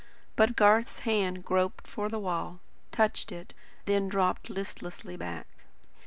But Garth's hand groped for the wall; touched it, then dropped listlessly back.